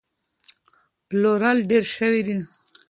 پلور ډېر شوی دی.